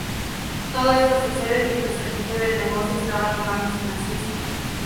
Todo esto sucede mientras el jefe del negocio estaba tomándose una siesta.